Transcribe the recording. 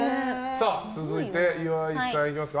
続いて、岩井さんいきますか。